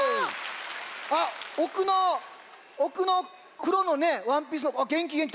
あっおくのおくのくろのワンピースのこげんきげんき